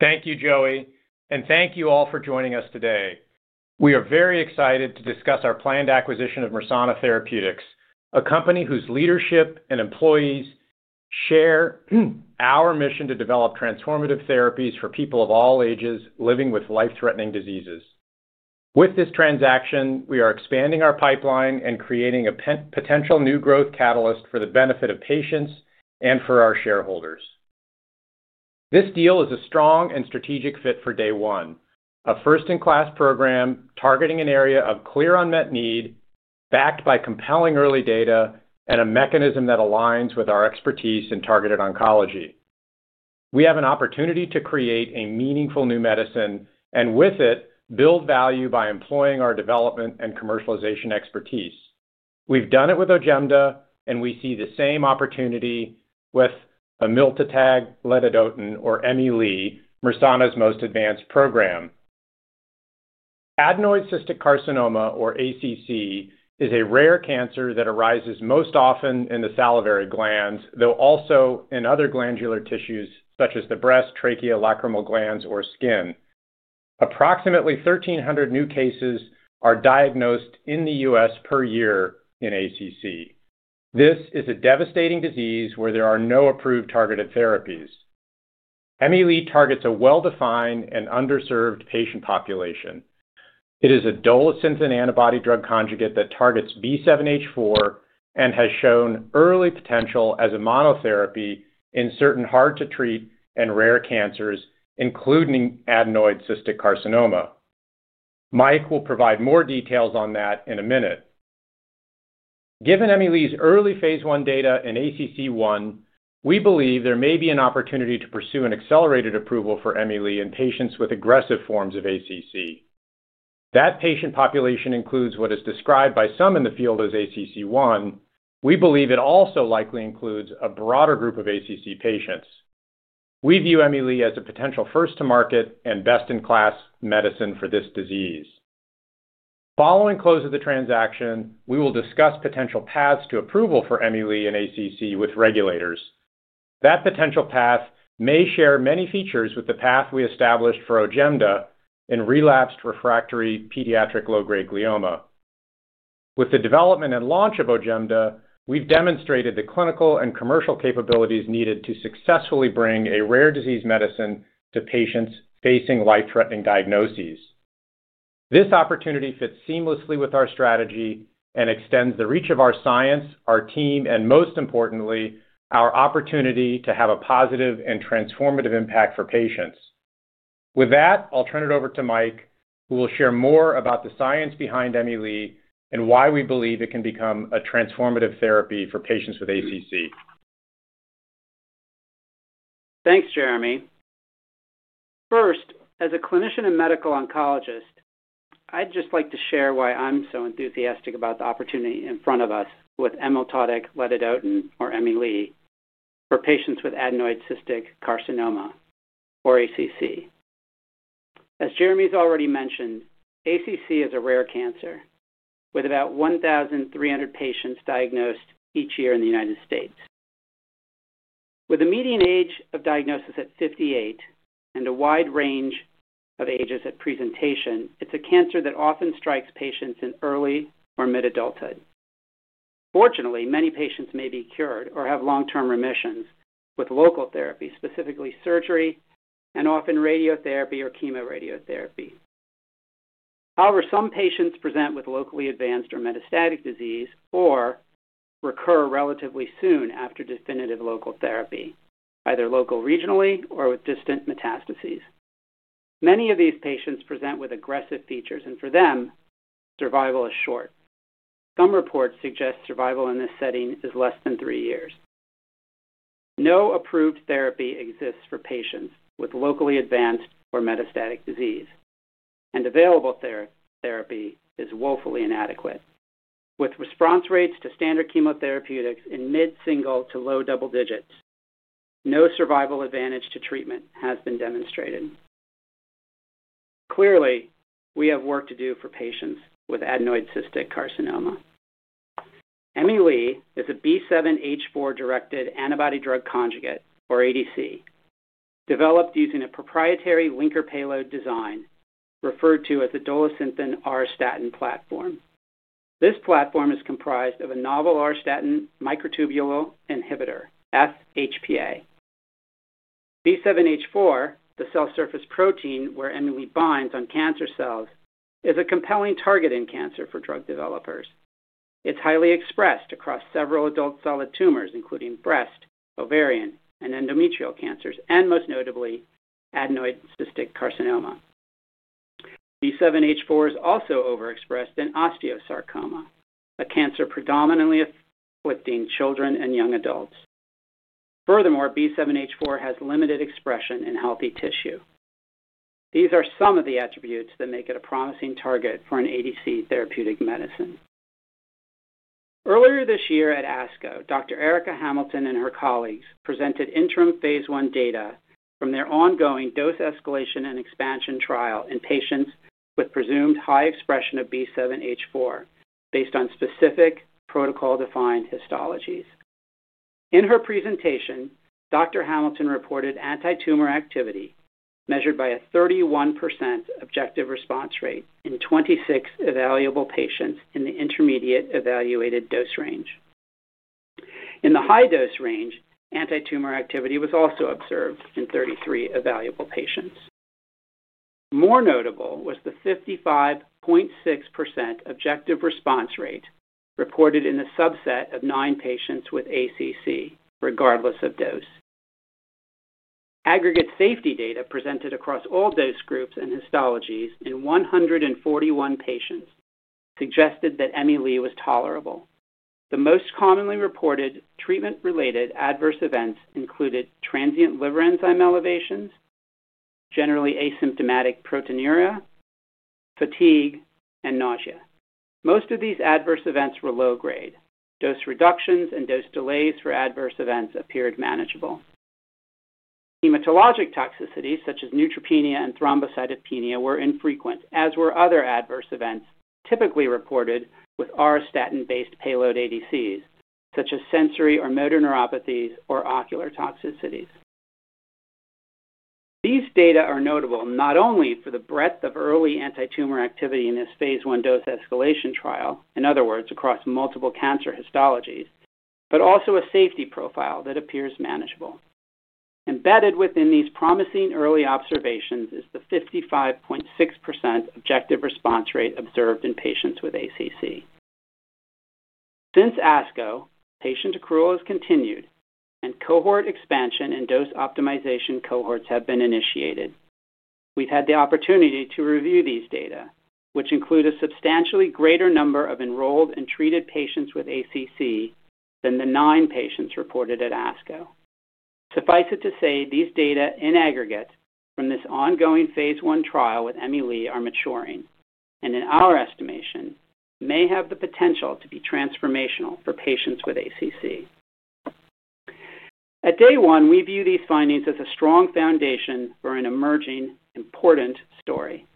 Thank you, Joey, and thank you all for joining us today. We are very excited to discuss our planned acquisition of Mersana Therapeutics, a company whose leadership and employees share our mission to develop transformative therapies for people of all ages living with life-threatening diseases. With this transaction, we are expanding our pipeline and creating a potential new growth catalyst for the benefit of patients and for our shareholders. This deal is a strong and strategic fit for Day One, a first-in-class program targeting an area of clear unmet need, backed by compelling early data and a mechanism that aligns with our expertise in targeted oncology. We have an opportunity to create a meaningful new medicine and, with it, build value by employing our development and commercialization expertise. We've done it with Agenda, and we see the same opportunity with Emiltatug Ledadotin, or Emi-Le, Mersana's most advanced program. Adenoid cystic carcinoma, or ACC, is a rare cancer that arises most often in the salivary glands, though also in other glandular tissues such as the breast, trachea, lacrimal glands, or skin. Approximately 1,300 new cases are diagnosed in the U.S. per year in ACC. This is a devastating disease where there are no approved targeted therapies. Emi-Le targets a well-defined and underserved patient population. It is a Dolostatin antibody-drug conjugate that targets B7-H4 and has shown early potential as a monotherapy in certain hard-to-treat and rare cancers, including adenoid cystic carcinoma. Mike will provide more details on that in a minute. Given Emi-Le's early phase I data and ACC-1, we believe there may be an opportunity to pursue an accelerated approval for Emi-Le in patients with aggressive forms of ACC. That patient population includes what is described by some in the field as ACC-1. We believe it also likely includes a broader group of ACC patients. We view Emi-Le as a potential first-to-market and best-in-class medicine for this disease. Following close of the transaction, we will discuss potential paths to approval for Emi-Le and ACC with regulators. That potential path may share many features with the path we established for Agenda in relapsed refractory pediatric low-grade glioma. With the development and launch of Agenda, we've demonstrated the clinical and commercial capabilities needed to successfully bring a rare disease medicine to patients facing life-threatening diagnoses. This opportunity fits seamlessly with our strategy and extends the reach of our science, our team, and most importantly, our opportunity to have a positive and transformative impact for patients. With that, I'll turn it over to Mike, who will share more about the science behind Emi-Le and why we believe it can become a transformative therapy for patients with ACC. Thanks, Jeremy. First, as a clinician and medical oncologist, I'd just like to share why I'm so enthusiastic about the opportunity in front of us with Emi-Le, or Emi-Le for patients with adenoid cystic carcinoma, or ACC. As Jeremy's already mentioned, ACC is a rare cancer, with about 1,300 patients diagnosed each year in the United States. With a median age of diagnosis at 58 and a wide range of ages at presentation, it's a cancer that often strikes patients in early or mid-adulthood. Fortunately, many patients may be cured or have long-term remissions with local therapy, specifically surgery and often radiotherapy or chemoradiotherapy. However, some patients present with locally advanced or metastatic disease or recur relatively soon after definitive local therapy, either locally or regionally or with distant metastases. Many of these patients present with aggressive features, and for them, survival is short. Some reports suggest survival in this setting is less than three years. No approved therapy exists for patients with locally advanced or metastatic disease, and available therapy is woefully inadequate. With response rates to standard chemotherapeutics in mid-single to low double digits, no survival advantage to treatment has been demonstrated. Clearly, we have work to do for patients with adenoid cystic carcinoma. Emi-Le is a B7-H4-directed antibody-drug conjugate, or ADC, developed using a proprietary linker payload design referred to as the dolostatin R statin platform. This platform is comprised of a novel R statin microtubule inhibitor, FHPA. B7-H4, the cell surface protein where Emi-Le binds on cancer cells, is a compelling target in cancer for drug developers. It's highly expressed across several adult solid tumors, including breast, ovarian, and endometrial cancers, and most notably, adenoid cystic carcinoma. B7-H4 is also overexpressed in osteosarcoma, a cancer predominantly affecting children and young adults. Furthermore, B7-H4 has limited expression in healthy tissue. These are some of the attributes that make it a promising target for an ADC Therapeutic medicine. Earlier this year at ASCO, Dr. Erika Hamilton and her colleagues presented interim phase I data from their ongoing dose escalation and expansion trial in patients with presumed high expression of B7-H4 based on specific protocol-defined histologies. In her presentation, Dr. Hamilton reported antitumor activity measured by a 31% objective response rate in 26 evaluable patients in the intermediate evaluated dose range. In the high dose range, antitumor activity was also observed in 33 evaluable patients. More notable was the 55.6% objective response rate reported in the subset of nine patients with ACC, regardless of dose. Aggregate safety data presented across all dose groups and histologies in 141 patients suggested that Emi-Le was tolerable. The most commonly reported treatment-related adverse events included transient liver enzyme elevations, generally asymptomatic proteinuria, fatigue, and nausea. Most of these adverse events were low-grade. Dose reductions and dose delays for adverse events appeared manageable. Hematologic toxicities, such as neutropenia and thrombocytopenia, were infrequent, as were other adverse events typically reported with auristatin-based payload ADCs, such as sensory or motor neuropathies or ocular toxicities. These data are notable not only for the breadth of early antitumor activity in this phase I dose escalation trial, in other words, across multiple cancer histologies, but also a safety profile that appears manageable. Embedded within these promising early observations is the 55.6% objective response rate observed in patients with ACC. Since ASCO, patient accrual has continued, and cohort expansion and dose optimization cohorts have been initiated. We've had the opportunity to review these data, which include a substantially greater number of enrolled and treated patients with ACC than the nine patients reported at ASCO. Suffice it to say, these data in aggregate from this ongoing phase I trial with Emi-Le are maturing, and in our estimation, may have the potential to be transformational for patients with ACC. At Day One, we view these findings as a strong foundation for an emerging important story.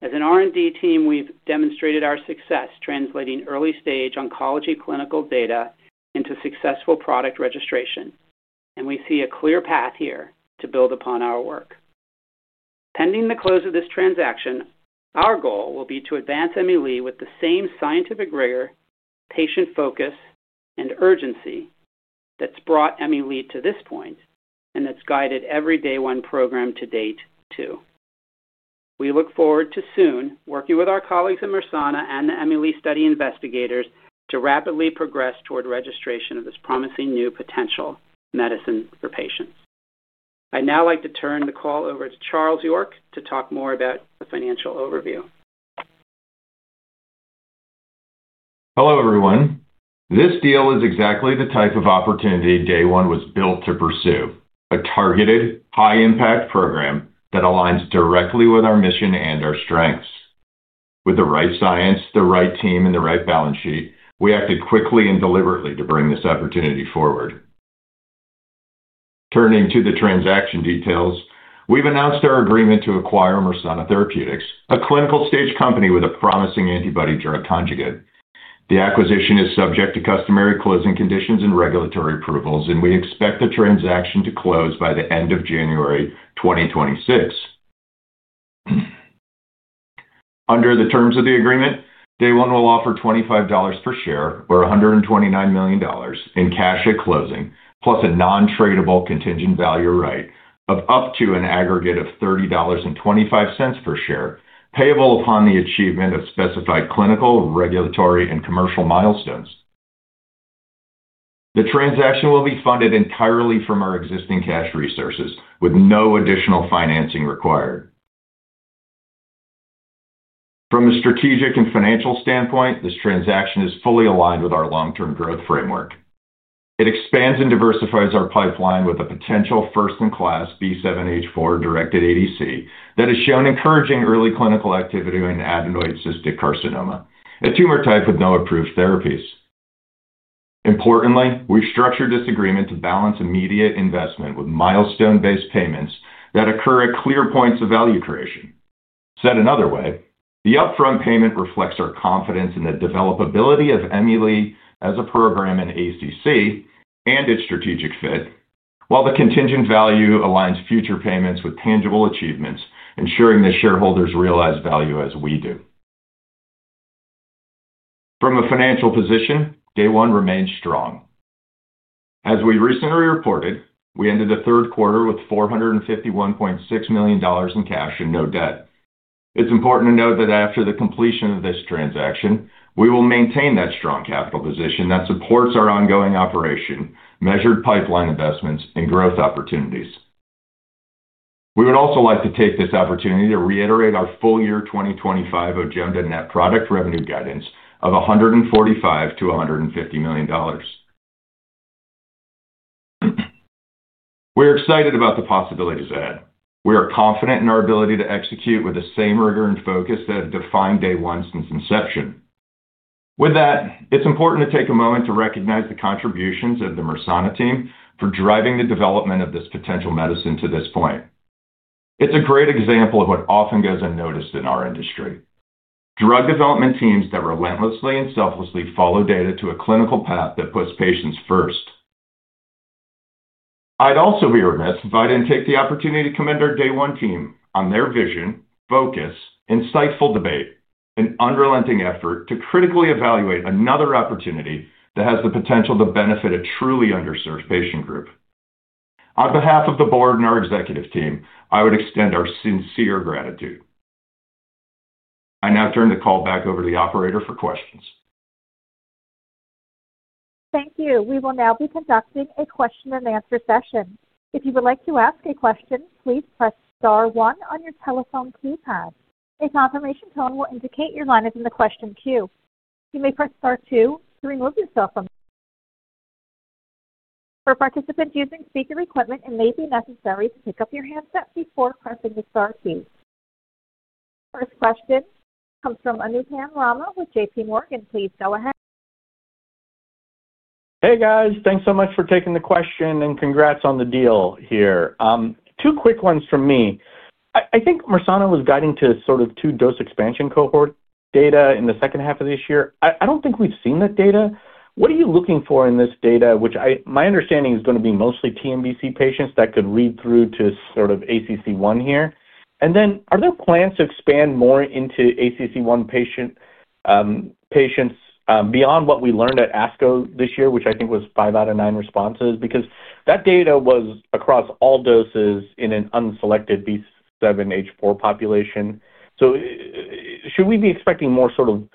As an R&D team, we've demonstrated our success translating early-stage oncology clinical data into successful product registration, and we see a clear path here to build upon our work. Pending the close of this transaction, our goal will be to advance Emi-Le with the same scientific rigor, patient focus, and urgency that's brought Emi-Le to this point and that's guided every Day One program to date too. We look forward to soon working with our colleagues at Mersana and the Emi-Le study investigators to rapidly progress toward registration of this promising new potential medicine for patients. I'd now like to turn the call over to Charles York to talk more about the financial overview. Hello, everyone. This deal is exactly the type of opportunity Day One was built to pursue: a targeted, high-impact program that aligns directly with our mission and our strengths. With the right science, the right team, and the right balance sheet, we acted quickly and deliberately to bring this opportunity forward. Turning to the transaction details, we've announced our agreement to acquire Mersana Therapeutics, a clinical stage company with a promising antibody-drug conjugate. The acquisition is subject to customary closing conditions and regulatory approvals, and we expect the transaction to close by the end of January 2026. Under the terms of the agreement, Day One will offer $25 per share, or $129 million, in cash at closing, plus a non-tradable contingent value right of up to an aggregate of $30.25 per share, payable upon the achievement of specified clinical, regulatory, and commercial milestones. The transaction will be funded entirely from our existing cash resources, with no additional financing required. From a strategic and financial standpoint, this transaction is fully aligned with our long-term growth framework. It expands and diversifies our pipeline with a potential first-in-class B7-H4-directed ADC that has shown encouraging early clinical activity in adenoid cystic carcinoma, a tumor type with no approved therapies. Importantly, we've structured this agreement to balance immediate investment with milestone-based payments that occur at clear points of value creation. Said another way, the upfront payment reflects our confidence in the developability of Emi-Le as a program in ACC and its strategic fit, while the contingent value aligns future payments with tangible achievements, ensuring that shareholders realize value as we do. From a financial position, Day One remains strong. As we recently reported, we ended the third quarter with $451.6 million in cash and no debt. It's important to note that after the completion of this transaction, we will maintain that strong capital position that supports our ongoing operation, measured pipeline investments, and growth opportunities. We would also like to take this opportunity to reiterate our full year 2025 Agenda net product revenue guidance of $145-$150 million. We're excited about the possibilities ahead. We are confident in our ability to execute with the same rigor and focus that have defined Day One since inception. With that, it's important to take a moment to recognize the contributions of the Mersana team for driving the development of this potential medicine to this point. It's a great example of what often goes unnoticed in our industry: drug development teams that relentlessly and selflessly follow data to a clinical path that puts patients first. I'd also be remiss if I didn't take the opportunity to commend our Day One team on their vision, focus, insightful debate, and unrelenting effort to critically evaluate another opportunity that has the potential to benefit a truly underserved patient group. On behalf of the board and our executive team, I would extend our sincere gratitude. I now turn the call back over to the operator for questions. Thank you. We will now be conducting a question-and-answer session. If you would like to ask a question, please press star one on your telephone keypad. A confirmation tone will indicate your line is in the question queue. You may press star two to remove yourself from the conversation. For participants using speaker equipment, it may be necessary to pick up your handset before pressing the star key. The first question comes from Anupam Rama with JPMorgan. Please go ahead. Hey, guys. Thanks so much for taking the question, and congrats on the deal here. Two quick ones from me. I think Mersana was guiding to sort of two dose expansion cohort data in the second half of this year. I do not think we've seen that data. What are you looking for in this data, which my understanding is going to be mostly TNBC patients that could lead through to sort of ACC-1 here? Are there plans to expand more into ACC-1 patients beyond what we learned at ASCO this year, which I think was five out of nine responses? That data was across all doses in an unselected B7-H4 population. Should we be expecting more sort of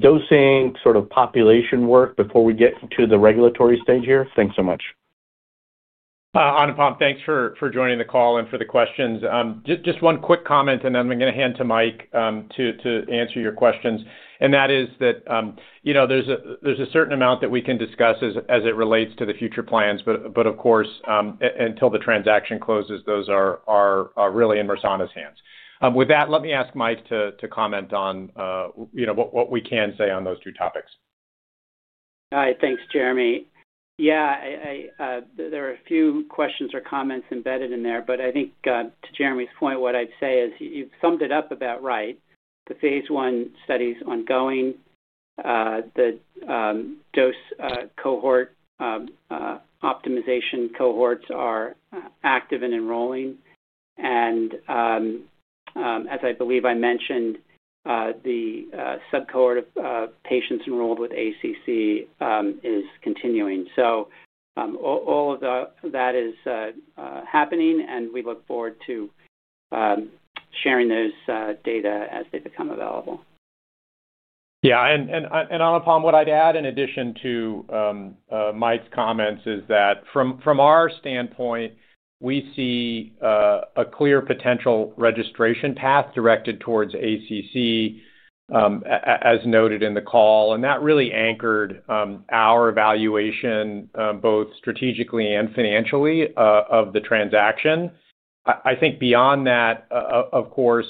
dosing sort of population work before we get to the regulatory stage here? Thanks so much. Anupam, thanks for joining the call and for the questions. Just one quick comment, and then I'm going to hand to Mike to answer your questions. That is that there's a certain amount that we can discuss as it relates to the future plans, but of course, until the transaction closes, those are really in Mersana's hands. With that, let me ask Mike to comment on what we can say on those two topics. Hi. Thanks, Jeremy. Yeah, there are a few questions or comments embedded in there, but I think to Jeremy's point, what I'd say is you've summed it up about right. The phase I study's ongoing. The dose cohort optimization cohorts are active and enrolling. As I believe I mentioned, the subcohort of patients enrolled with ACC is continuing. All of that is happening, and we look forward to sharing those data as they become available. Yeah. Anupam, what I'd add in addition to Mike's comments is that from our standpoint, we see a clear potential registration path directed towards ACC, as noted in the call. That really anchored our evaluation, both strategically and financially, of the transaction. I think beyond that, of course,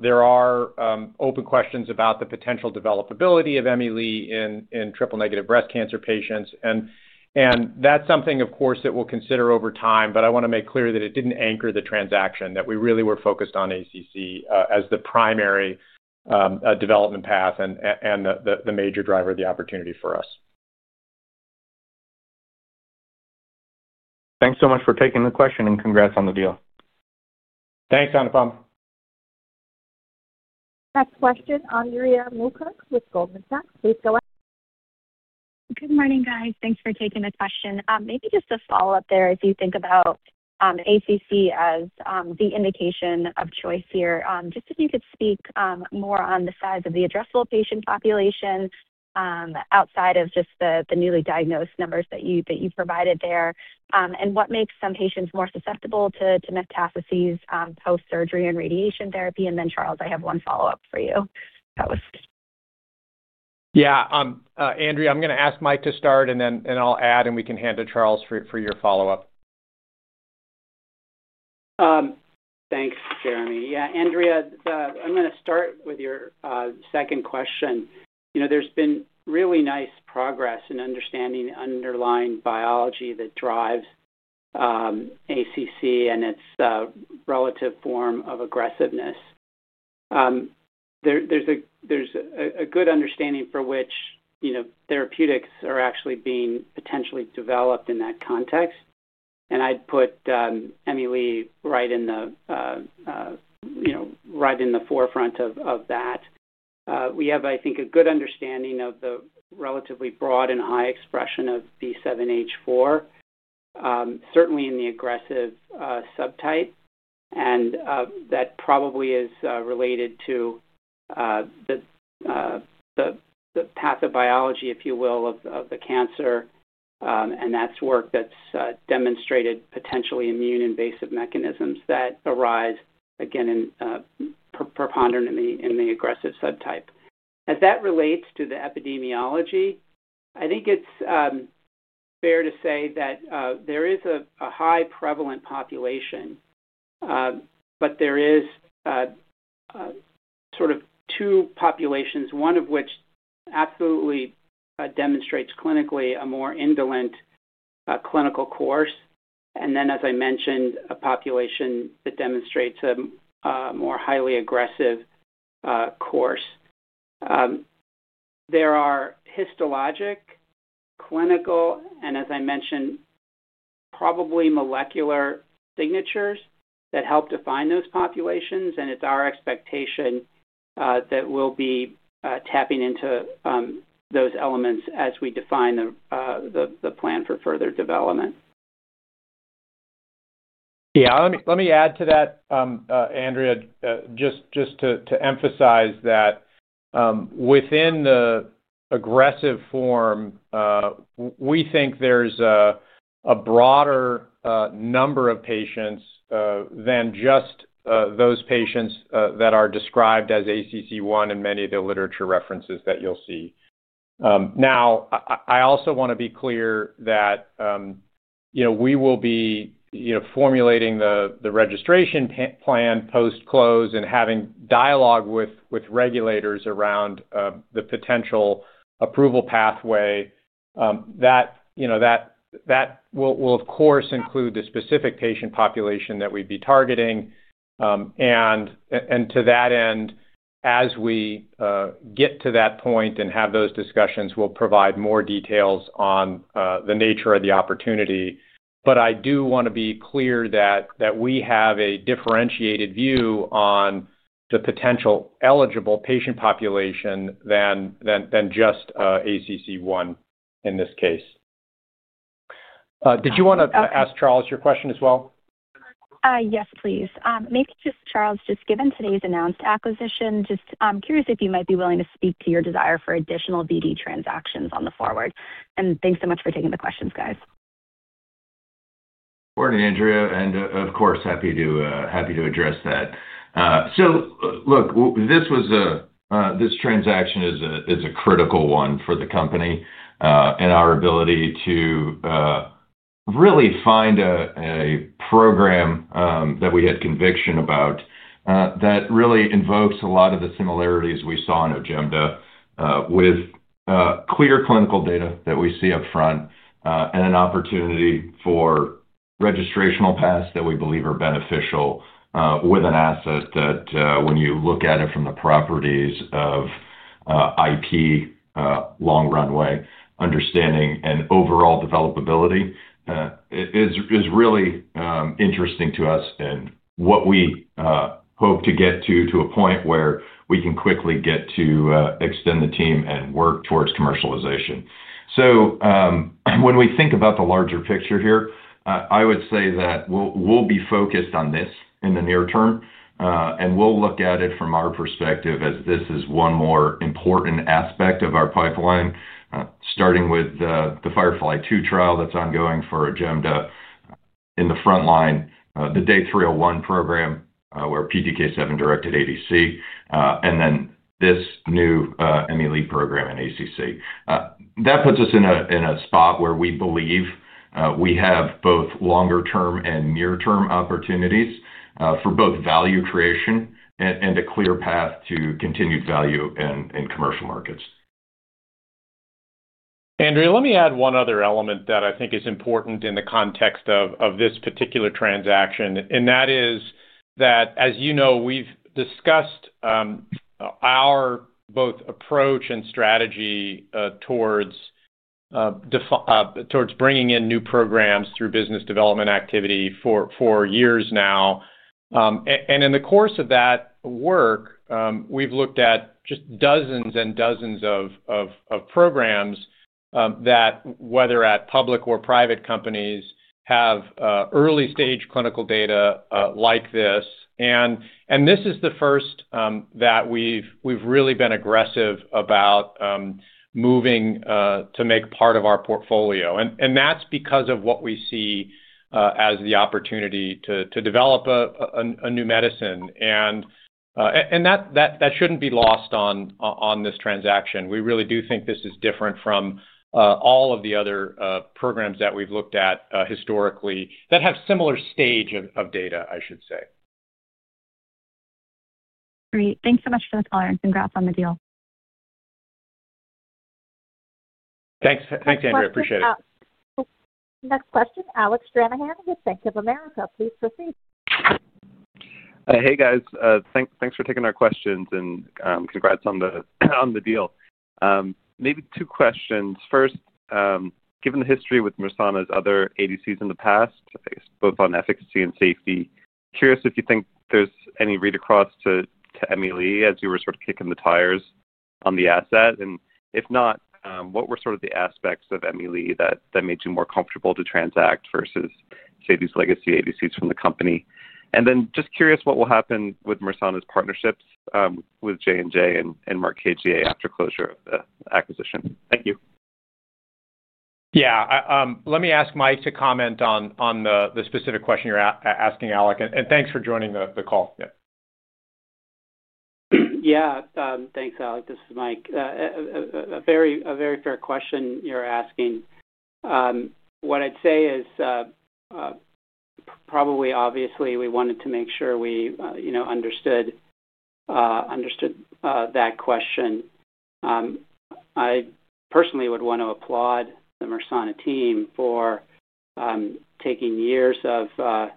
there are open questions about the potential developability of Emi-Le in triple-negative breast cancer patients. That's something, of course, that we'll consider over time, but I want to make clear that it didn't anchor the transaction, that we really were focused on ACC as the primary development path and the major driver of the opportunity for us. Thanks so much for taking the question, and congrats on the deal. Thanks, Anupam. Next question, Andrea Newkirk with Goldman Sachs. Please go ahead. Good morning, guys. Thanks for taking the question. Maybe just a follow-up there. If you think about ACC as the indication of choice here, just if you could speak more on the size of the addressable patient population outside of just the newly diagnosed numbers that you provided there, and what makes some patients more susceptible to metastases post-surgery and radiation therapy. Then, Charles, I have one follow-up for you. That was. Yeah. Andrea, I'm going to ask Mike to start, and then I'll add, and we can hand to Charles for your follow-up. Thanks, Jeremy. Yeah, Andrea, I'm going to start with your second question. There's been really nice progress in understanding the underlying biology that drives ACC and its relative form of aggressiveness. There's a good understanding for which therapeutics are actually being potentially developed in that context. I'd put Emi-Le right in the forefront of that. We have, I think, a good understanding of the relatively broad and high expression of B7-H4, certainly in the aggressive subtype. That probably is related to the pathobiology, if you will, of the cancer. That's work that's demonstrated potentially immune-invasive mechanisms that arise, again, preponderantly in the aggressive subtype. As that relates to the epidemiology, I think it's fair to say that there is a high prevalent population, but there is sort of two populations, one of which absolutely demonstrates clinically a more indolent clinical course. As I mentioned, a population that demonstrates a more highly aggressive course. There are histologic, clinical, and, as I mentioned, probably molecular signatures that help define those populations. It is our expectation that we will be tapping into those elements as we define the plan for further development. Yeah. Let me add to that, Andrea, just to emphasize that within the aggressive form, we think there's a broader number of patients than just those patients that are described as ACC-1 in many of the literature references that you'll see. I also want to be clear that we will be formulating the registration plan post-close and having dialogue with regulators around the potential approval pathway. That will, of course, include the specific patient population that we'd be targeting. To that end, as we get to that point and have those discussions, we'll provide more details on the nature of the opportunity. I do want to be clear that we have a differentiated view on the potential eligible patient population than just ACC-1 in this case. Did you want to ask Charles your question as well? Yes, please. Maybe just Charles, just given today's announced acquisition, just curious if you might be willing to speak to your desire for additional BD transactions on the forward. Thanks so much for taking the questions, guys. Good morning, Andrea. Of course, happy to address that. Look, this transaction is a critical one for the company and our ability to really find a program that we had conviction about that really invokes a lot of the similarities we saw in Agenda with clear clinical data that we see upfront and an opportunity for registrational paths that we believe are beneficial with an asset that, when you look at it from the properties of IP, long runway understanding, and overall developability, is really interesting to us and what we hope to get to a point where we can quickly get to extend the team and work towards commercialization. When we think about the larger picture here, I would say that we'll be focused on this in the near term. We look at it from our perspective as this is one more important aspect of our pipeline, starting with the FIREFLY-2 trial that's ongoing for Agenda in the front line, the DAY 301 program where PTK7 directed ADC, and then this new Emi-Le program in ACC. That puts us in a spot where we believe we have both longer-term and near-term opportunities for both value creation and a clear path to continued value in commercial markets. Andrea, let me add one other element that I think is important in the context of this particular transaction. That is that, as you know, we've discussed our both approach and strategy towards bringing in new programs through business development activity for years now. In the course of that work, we've looked at just dozens and dozens of programs that, whether at public or private companies, have early-stage clinical data like this. This is the first that we've really been aggressive about moving to make part of our portfolio. That is because of what we see as the opportunity to develop a new medicine. That should not be lost on this transaction. We really do think this is different from all of the other programs that we've looked at historically that have similar stage of data, I should say. Great. Thanks so much for the call, Erin. Congrats on the deal. Thanks, Andrea. Appreciate it. Next question, Alec Stranahan with Bank of Amerika. Please proceed. Hey, guys. Thanks for taking our questions. And congrats on the deal. Maybe two questions. First, given the history with Mersana's other ADCs in the past, both on efficacy and safety, curious if you think there's any read across to Emi-Le as you were sort of kicking the tires on the asset. And if not, what were sort of the aspects of Emi-Le that made you more comfortable to transact versus, say, these legacy ADCs from the company? And then just curious what will happen with Mersana's partnerships with Johnson & Johnson and Merck KGaA after closure of the acquisition. Thank you. Yeah. Let me ask Mike to comment on the specific question you're asking, Alec. Thanks for joining the call. Yeah. Yeah. Thanks, Alec. This is Mike. A very fair question you're asking. What I'd say is probably obviously we wanted to make sure we understood that question. I personally would want to applaud the Mersana team for taking years of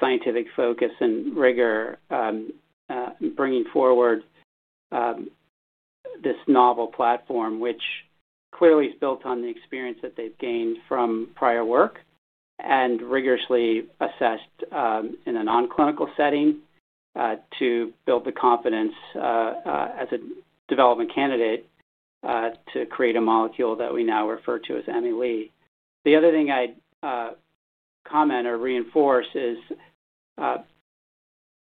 scientific focus and rigor bringing forward this novel platform, which clearly is built on the experience that they've gained from prior work and rigorously assessed in a non-clinical setting to build the confidence as a development candidate to create a molecule that we now refer to as Emi-Le. The other thing I'd comment or reinforce is,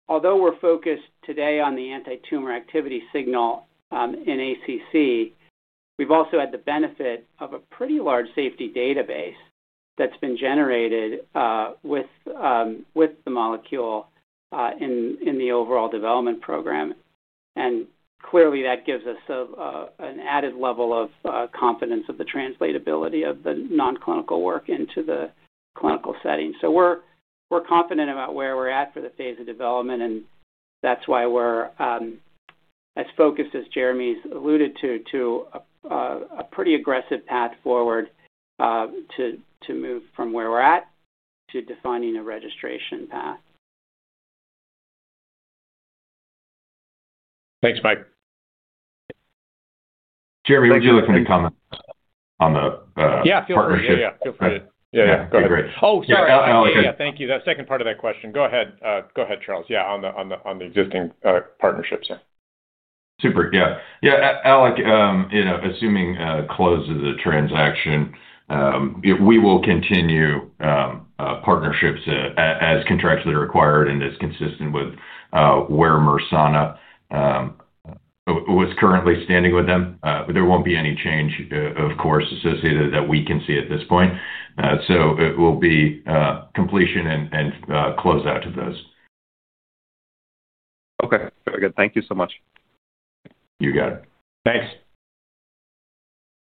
although we're focused today on the anti-tumor activity signal in ACC, we've also had the benefit of a pretty large safety database that's been generated with the molecule in the overall development program. Clearly, that gives us an added level of confidence of the translatability of the non-clinical work into the clinical setting. We're confident about where we're at for the phase of development. That's why we're as focused as Jeremy's alluded to, to a pretty aggressive path forward to move from where we're at to defining a registration path. Thanks, Mike. Jeremy, would you like to make a comment on the partnership? Yeah. Feel free. Go ahead. Yeah. Yeah. Go ahead. Oh, sorry. Yeah. Thank you. That second part of that question. Go ahead. Go ahead, Charles. Yeah. On the existing partnerships here. Super. Yeah. Yeah. Alec, assuming closes the transaction, we will continue partnerships as contractually required and as consistent with where Mersana was currently standing with them. There will not be any change, of course, associated that we can see at this point. It will be completion and closeout of those. Okay. Very good. Thank you so much. You got it. Thanks.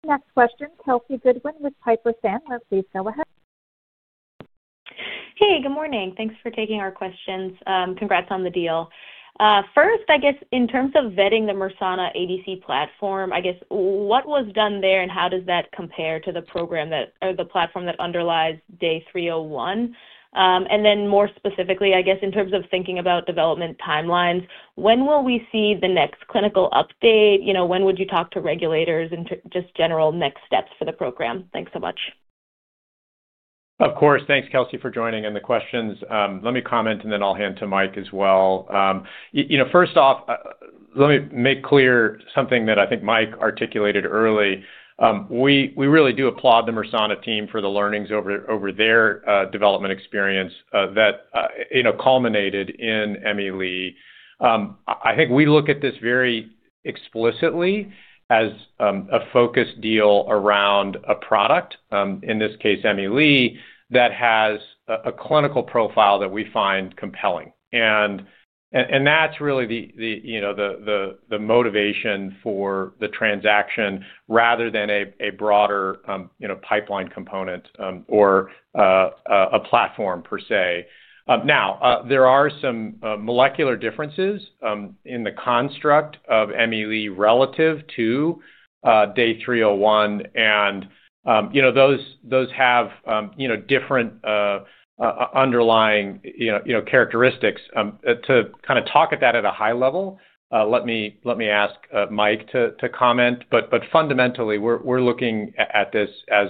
Next question, Kelsey Goodwin with Piper Sandler. Please go ahead. Hey. Good morning. Thanks for taking our questions. Congrats on the deal. First, I guess in terms of vetting the Mersana ADC platform, I guess what was done there and how does that compare to the program or the platform that underlies Day 301? And then more specifically, I guess in terms of thinking about development timelines, when will we see the next clinical update? When would you talk to regulators and just general next steps for the program? Thanks so much. Of course. Thanks, Kelsey, for joining and the questions. Let me comment, and then I'll hand to Mike as well. First off, let me make clear something that I think Mike articulated early. We really do applaud the Mersana team for the learnings over their development experience that culminated in Emi-Le. I think we look at this very explicitly as a focused deal around a product, in this case, Emi-Le, that has a clinical profile that we find compelling. That is really the motivation for the transaction rather than a broader pipeline component or a platform per se. Now, there are some molecular differences in the construct of Emi-Le relative to Day 301. Those have different underlying characteristics. To kind of talk at that at a high level, let me ask Mike to comment. Fundamentally, we're looking at this as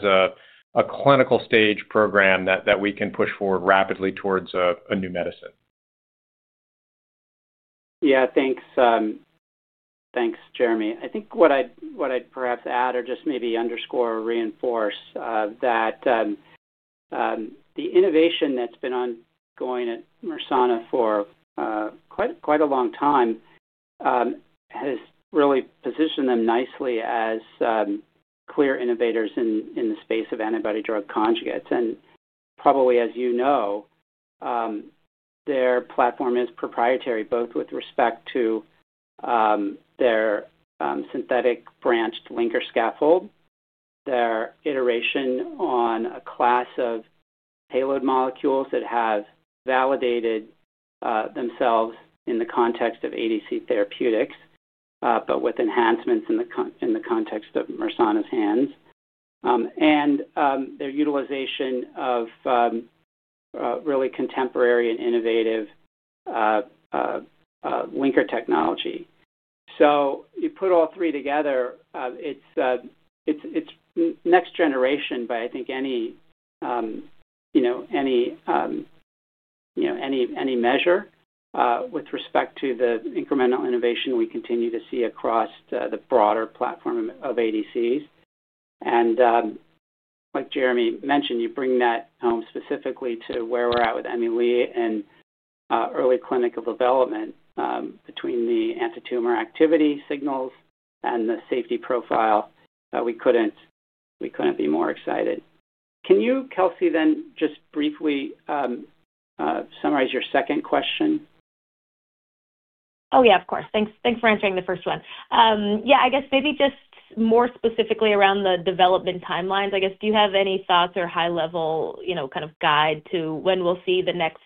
a clinical stage program that we can push forward rapidly towards a new medicine. Yeah. Thanks, Jeremy. I think what I'd perhaps add or just maybe underscore or reinforce is that the innovation that's been ongoing at Mersana for quite a long time has really positioned them nicely as clear innovators in the space of antibody-drug conjugates. Probably, as you know, their platform is proprietary both with respect to their synthetic branched linker scaffold, their iteration on a class of payload molecules that have validated themselves in the context of ADC therapeutics, but with enhancements in the context of Mersana's hands, and their utilization of really contemporary and innovative linker technology. You put all three together, it's next generation by, I think, any measure with respect to the incremental innovation we continue to see across the broader platform of ADCs. Like Jeremy mentioned, you bring that home specifically to where we're at with Emi-Le and early clinical development between the anti-tumor activity signals and the safety profile. We couldn't be more excited. Can you, Kelsey, then just briefly summarize your second question? Oh, yeah. Of course. Thanks for answering the first one. Yeah. I guess maybe just more specifically around the development timelines, I guess, do you have any thoughts or high-level kind of guide to when we'll see the next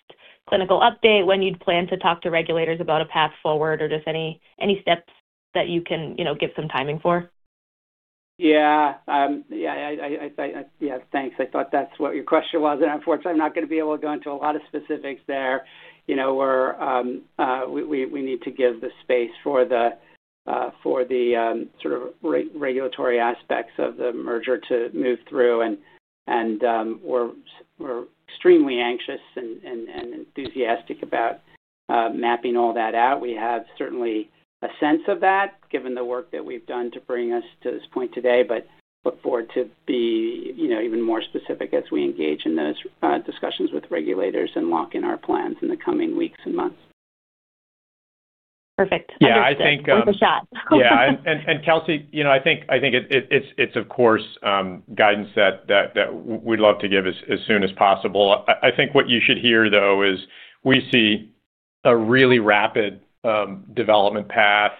clinical update, when you'd plan to talk to regulators about a path forward, or just any steps that you can give some timing for? Yeah. Yeah. Yeah. Thanks. I thought that's what your question was. Unfortunately, I'm not going to be able to go into a lot of specifics there. We need to give the space for the sort of regulatory aspects of the merger to move through. We're extremely anxious and enthusiastic about mapping all that out. We have certainly a sense of that given the work that we've done to bring us to this point today, but look forward to being even more specific as we engage in those discussions with regulators and lock in our plans in the coming weeks and months. Perfect. Yeah. I think. Perfect shot. Yeah. Kelsey, I think it's, of course, guidance that we'd love to give as soon as possible. I think what you should hear, though, is we see a really rapid development path,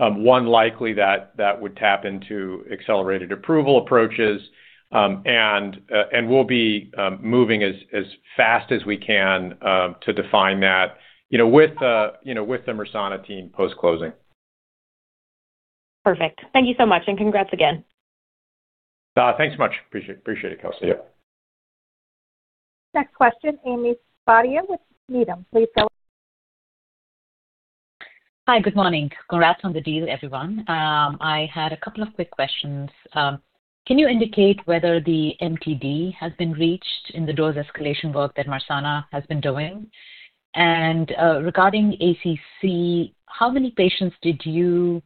one likely that would tap into accelerated approval approaches. We'll be moving as fast as we can to define that with the Mersana team post-closing. Perfect. Thank you so much. Congrats again. Thanks so much. Appreciate it, Kelsey. Next question, Ami Fadia with Needham. Please go. Hi. Good morning. Congrats on the deal, everyone. I had a couple of quick questions. Can you indicate whether the MTD has been reached in the dose escalation work that Mersana has been doing? Regarding ACC, how many patients did you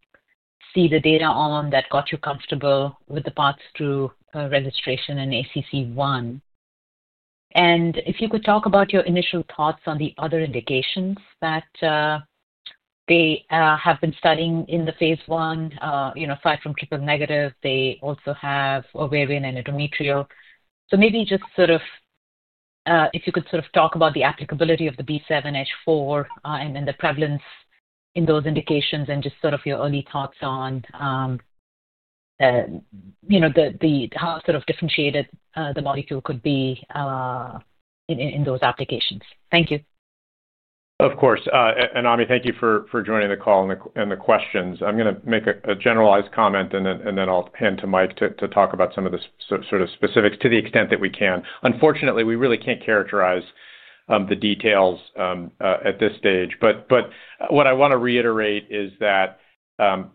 see the data on that got you comfortable with the paths through registration in ACC-1? If you could talk about your initial thoughts on the other indications that they have been studying in the phase I, aside from triple-negative, they also have ovarian and endometrial. Maybe just sort of if you could sort of talk about the applicability of the B7-H4 and then the prevalence in those indications and just sort of your early thoughts on how sort of differentiated the molecule could be in those applications. Thank you. Of course. And Ami, thank you for joining the call and the questions. I'm going to make a generalized comment, and then I'll hand to Mike to talk about some of the sort of specifics to the extent that we can. Unfortunately, we really can't characterize the details at this stage. What I want to reiterate is that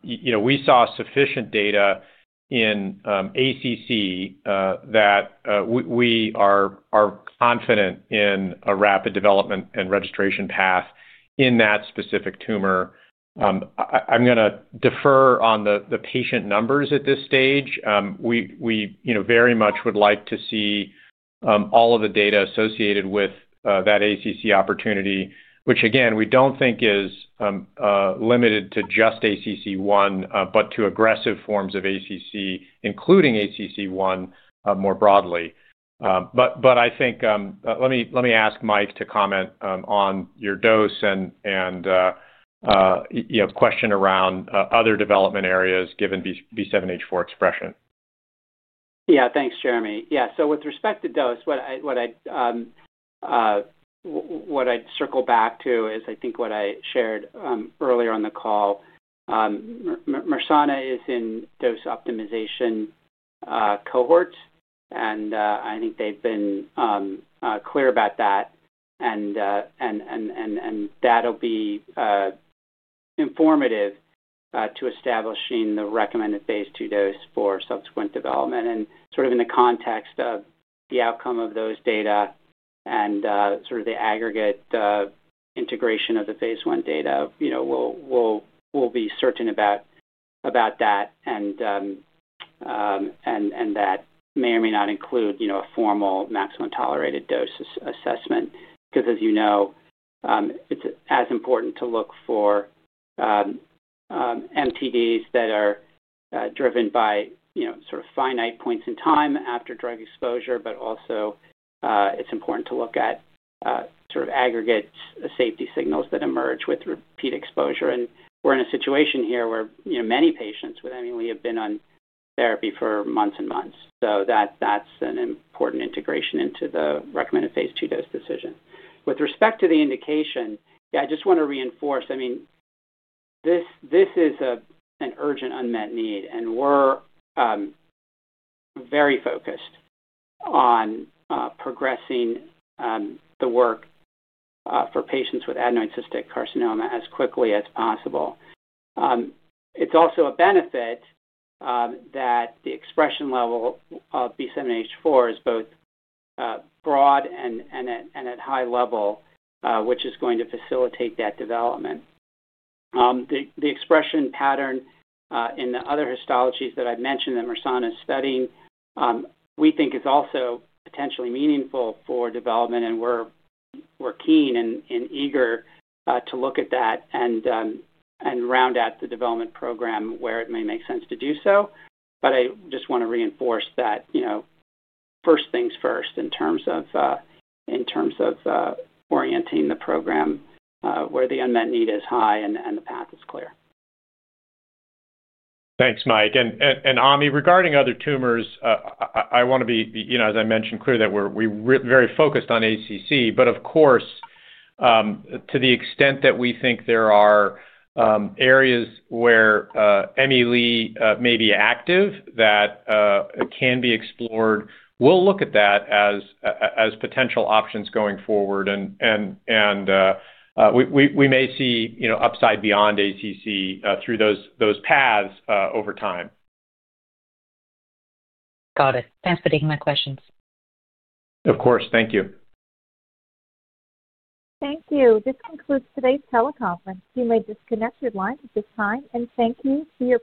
we saw sufficient data in ACC that we are confident in a rapid development and registration path in that specific tumor. I'm going to defer on the patient numbers at this stage. We very much would like to see all of the data associated with that ACC opportunity, which, again, we don't think is limited to just ACC-1, but to aggressive forms of ACC, including ACC-1 more broadly. I think let me ask Mike to comment on your dose and question around other development areas given B7-H4 expression. Yeah. Thanks, Jeremy. Yeah. With respect to dose, what I'd circle back to is I think what I shared earlier on the call. Mersana is in dose optimization cohorts, and I think they've been clear about that. That'll be informative to establishing the recommended phase II dose for subsequent development. In the context of the outcome of those data and the aggregate integration of the phase I data, we'll be certain about that. That may or may not include a formal maximum tolerated dose assessment because, as you know, it's as important to look for MTDs that are driven by finite points in time after drug exposure. Also, it's important to look at aggregate safety signals that emerge with repeat exposure. We're in a situation here where many patients with Emi-Le have been on therapy for months and months. That's an important integration into the recommended phase II dose decision. With respect to the indication, yeah, I just want to reinforce, I mean, this is an urgent unmet need, and we're very focused on progressing the work for patients with adenoid cystic carcinoma as quickly as possible. It's also a benefit that the expression level of B7-H4 is both broad and at high level, which is going to facilitate that development. The expression pattern in the other histologies that I've mentioned that Mersana is studying, we think is also potentially meaningful for development. We're keen and eager to look at that and round out the development program where it may make sense to do so. I just want to reinforce that first things first in terms of orienting the program where the unmet need is high and the path is clear. Thanks, Mike. And Ami, regarding other tumors, I want to be, as I mentioned, clear that we're very focused on ACC. Of course, to the extent that we think there are areas where Emi-Le may be active that can be explored, we'll look at that as potential options going forward. We may see upside beyond ACC through those paths over time. Got it. Thanks for taking my questions. Of course. Thank you. Thank you. This concludes today's teleconference. You may disconnect your line at this time. Thank you to you.